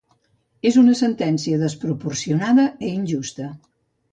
Es una sentencia desproporcionada e injusta.